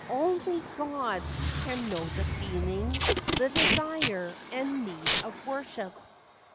Only Gods can know the feeling, The desire and need of worship!